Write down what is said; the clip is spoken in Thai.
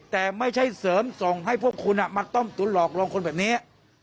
แต่ไม่ใช่เสริมส่งให้พวกคุณมาต้มตุ๋นหลอกลวงคนแบบนี้